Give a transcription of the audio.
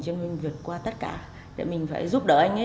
chứ mình vượt qua tất cả để mình phải giúp đỡ anh ấy